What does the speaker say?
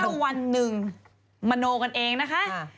ถ้าวันหนึ่งมโนกันเองนะคะ